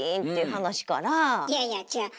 いやいや違う。